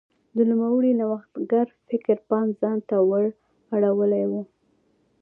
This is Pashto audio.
د نوموړي نوښتګر فکر پام ځان ته ور اړولی و.